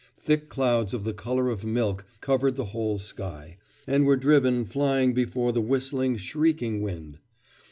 Thick clouds of the colour of milk covered the whole sky, and were driven flying before the whistling, shrieking wind.